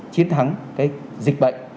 chiến thắng cái dịch bệnh